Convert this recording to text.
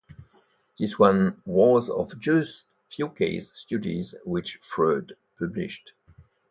This was one of just a few case studies which Freud published.